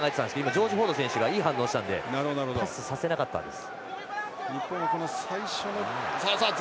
ジョージ・フォード選手がいい反応したのでパスさせなかったです。